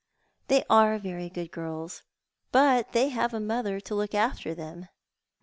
" They are very good girls, but they have a mother to look after them."